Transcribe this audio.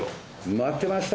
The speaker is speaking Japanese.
待ってました！